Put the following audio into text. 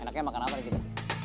enaknya makan apa nih kita